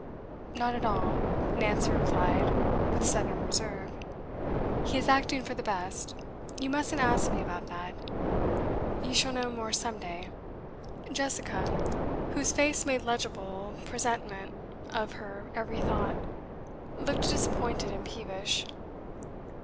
'Not at all,' Nancy replied, with sudden reserve. 'He is acting for the best. You mustn't ask me about that; you shall know more some day.' Jessica, whose face made legible presentment of her every thought, looked disappointed and peevish.